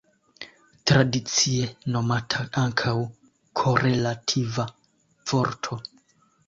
Tradicie nomata ankaŭ korelativa vorto.